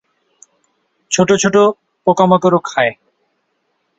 ছোট ছোট পোকামাকড়ও খায়।